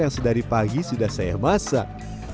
yang sedari pagi sudah saya masak